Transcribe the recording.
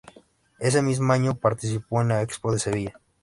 Ese mismo año participó en la Expo de Sevilla.